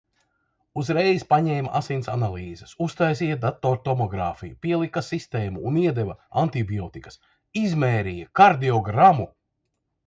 Uzreiz paņēma asins analīzes, uztaisīja datortomogrāfiju, pielika sistēmu un iedeva antibiotikas. Izmērīja kardiogramu.